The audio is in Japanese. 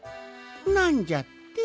なんじゃって？